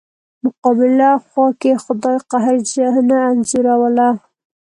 مقابله خوا کې خدای قهرجنه انځوروله.